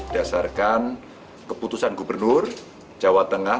dasarkan keputusan gubernur jawa tengah